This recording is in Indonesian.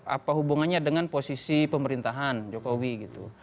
apa hubungannya dengan posisi pemerintahan jokowi gitu